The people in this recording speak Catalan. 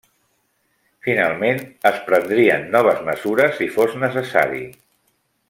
Finalment, es prendrien noves mesures si fos necessari.